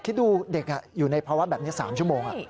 คิดดูเด็กอยู่ในภาวะแบบนี้๓ชั่วโมง